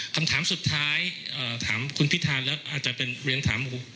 คำถามสุดท้ายถามคุณพิธาแล้วอาจจะเป็นเรียนถามหมู่